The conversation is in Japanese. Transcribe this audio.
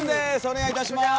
お願いいたします。